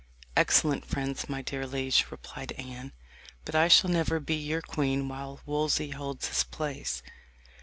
"Excellent friends, my dear liege," replied Anne; "but I shall never be your queen while Wolsey holds his place."